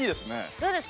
どうですか？